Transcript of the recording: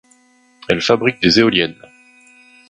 Elle fabrique des éoliennes.